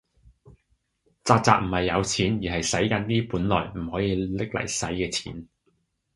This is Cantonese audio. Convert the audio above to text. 宅宅唔係有錢，而係洗緊啲本來唔可以拎嚟洗嘅錢